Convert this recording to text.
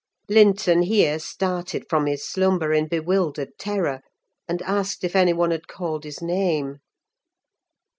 Linton here started from his slumber in bewildered terror, and asked if any one had called his name.